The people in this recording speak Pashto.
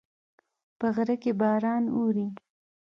په غره کې باران اوري